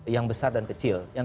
yang besar dan kecil